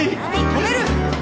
止める！